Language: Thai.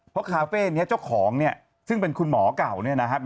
เพราะคาเฟ่นี้เจ้าของเนี่ยซึ่งเป็นคุณหมอเก่าเนี่ยนะครับ